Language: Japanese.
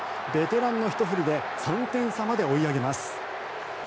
ベテランのひと振りで３点差まで追い上げます。